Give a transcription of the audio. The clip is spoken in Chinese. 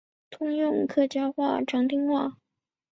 通用客家语长汀话。